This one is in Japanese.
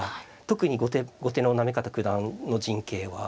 特に後手の行方九段の陣形は。